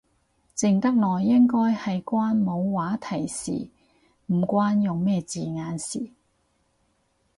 靜得耐應該係關冇話題事，唔關用咩字眼事